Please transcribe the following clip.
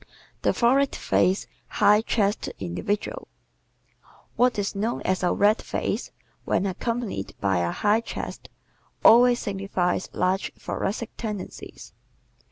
The Florid Faced, High Chested Individual ¶ What is known as a "red face," when accompanied by a high chest, always signifies large thoracic tendencies.